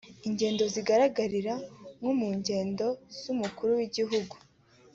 Ingero zigaragarira nko mu ngendo z’Umukuru w’Igihugu